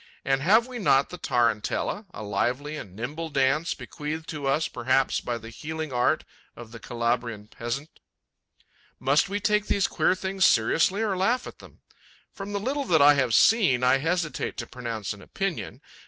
And have we not the tarantella, a lively and nimble dance, bequeathed to us perhaps by the healing art of the Calabrian peasant? Must we take these queer things seriously or laugh at them? From the little that I have seen, I hesitate to pronounce an opinion.